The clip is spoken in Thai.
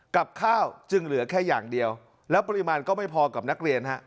กับข้าวจึงเหลือแค่อย่างเดียวแล้วปริมาณก็ไม่พอกับนักเรียนฮะ